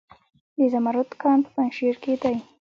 د زمرد کان په پنجشیر کې دی